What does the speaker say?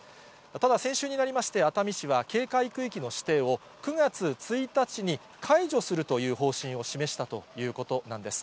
ただ、先週になりまして、熱海市は警戒区域の指定を９月１日に解除するという方針を示したということなんです。